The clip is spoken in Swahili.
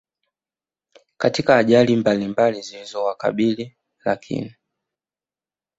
Katika ajali mbalumbali zilizo wakabili Lakini